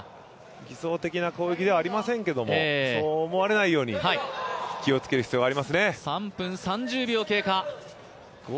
偽装的な攻撃ではありませんけれども、そう思われないように気をつける必要がありますね。